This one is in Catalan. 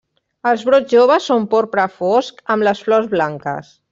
Els brots joves són porpra fosc amb les flors blanques.